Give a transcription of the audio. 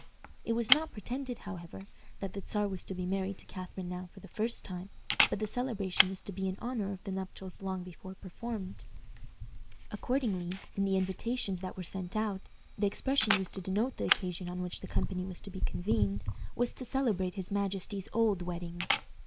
It was not pretended, however, that the Czar was to be married to Catharine now for the first time, but the celebration was to be in honor of the nuptials long before performed. Accordingly, in the invitations that were sent out, the expression used to denote the occasion on which the company was to be convened was "to celebrate his majesty's old wedding."